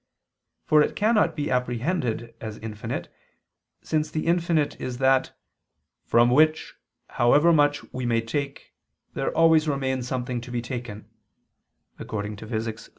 For it cannot be apprehended as infinite, since the infinite is that "from which, however much we may take, there always remains something to be taken" (Phys.